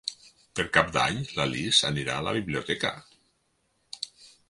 Per Cap d'Any na Lis anirà a la biblioteca.